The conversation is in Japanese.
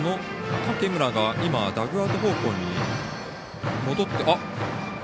竹村がダッグアウト方向に戻って。